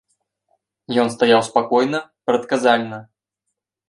Ён стаяў спакойна, прадказальна.